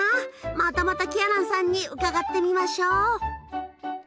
またまたキアランさんに伺ってみましょう。